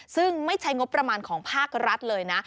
ซึ่งไม่ใช้งบประมาณของภาครัฐเลยนะ